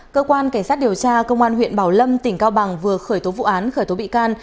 cơ quan cảnh sát điều tra công an huyện bảo lâm tỉnh cao bằng vừa khởi tố vụ án khởi tố bị can